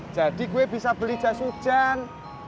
jadi gue bisa beli jas hujan